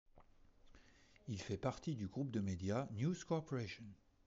Il fait partie du groupe de médias News Corporation.